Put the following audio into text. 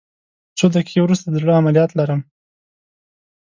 څو دقیقې وروسته د زړه عملیات لرم